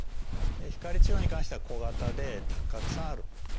光治療に関しては小型でたくさんある。